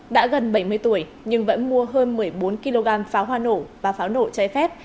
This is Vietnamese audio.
đã gần bảy mươi tuổi nhưng vẫn mua hơn một mươi bốn kg pháo hoa nổ và pháo nổ trái phép